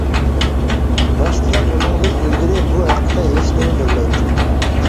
راستلا ئۇنىڭدىن ئىلگىرى بۇ ھەقتە ھېچنېمە بىلمەيتتىم.